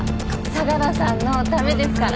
相良さんのためですから。